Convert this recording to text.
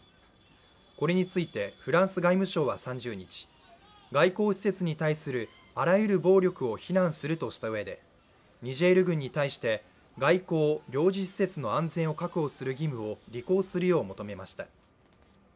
これについてフランス外務省は３０日、外交施設に対するあらゆる暴力を非難するとしたうえでニジェール軍に対して外交・領事施設の安全を確保する義務を履行するよう求めました。